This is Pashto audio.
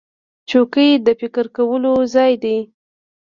چوکۍ د فکر کولو ځای دی.